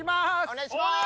お願いします！